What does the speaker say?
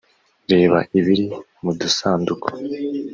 reba ibiri mu dusanduku